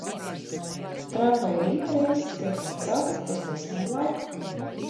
Tramvaja rīta reisi tiek atcelti uz nezināmu laiku.